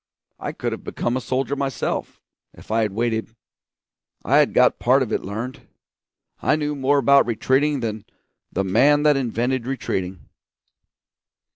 I could have become a soldier myself, if I had waited. I had got part of it learned; I knew more about retreating than the man that invented retreating.